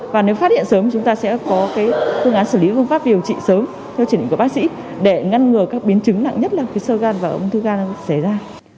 và nếu phát hiện sớm thì chúng ta sẽ có phương án xử lý phương pháp điều trị sớm theo truyền hình của bác sĩ để ngăn ngừa các biến chứng nặng nhất là sơ gan và ống thư gan xảy ra